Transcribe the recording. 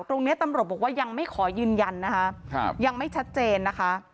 ตรงนี้ตำรวจบอกว่ายังไม่ขอยืนยันนะคะยังไม่ชัดเจนนะคะ